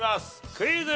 クイズ。